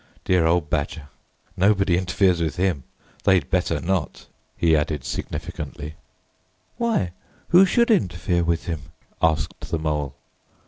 Dear old Badger! Nobody interferes with him. They'd better not," he added significantly. "Why, who should interfere with him?" asked the Mole.